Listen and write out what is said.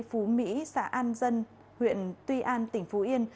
phú mỹ xã an dân huyện tuy an tỉnh phú yên